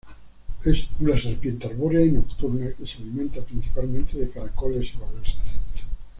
Es una serpiente arbórea y nocturna que se alimenta principalmente de caracoles y babosas.